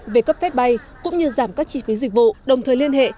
về cấp phép bay cũng như giảm các chi phí dịch vụ đồng thời liên hệ